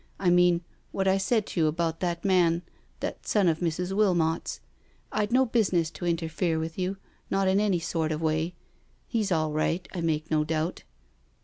I mean— what I said to you about that man— that son of Mrs. Wilmot's. I'd no business to interfere with you, not in any sort of way— he's all right I ^ake no doubt.